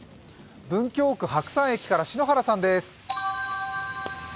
文京区・白山駅から篠原さんです。